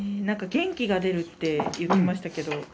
なんか元気が出るって言ってましたけど。